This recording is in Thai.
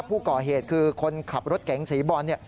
ผู้ก่อเหตุคือคนขับรถเก๋งสีบอล